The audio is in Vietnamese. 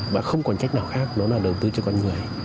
và không còn cách nào khác đó là đầu tư cho con người